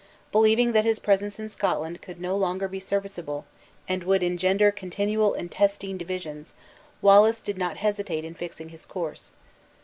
Believing that his presence in Scotland could no longer be serviceable, and would engender continual intestine divisions, Wallace did not hesitate in fixing his course.